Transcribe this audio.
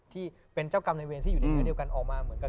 ที่เป็นเจ้ากรรมนายเวรที่อยู่ในเรือเดียวกันออกมา